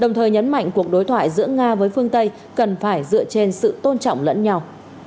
đồng thời nhấn mạnh cuộc đối thoại giữa nga với phương tây cần phải dựa trên sự tôn trọng lẫn nhau